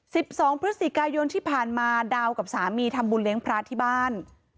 สิบสองพฤศจิกายนที่ผ่านมาดาวกับสามีทำบุญเลี้ยงพระที่บ้าน